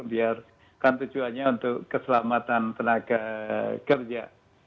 biar kan tujuannya untuk keselamatan tenaga kerja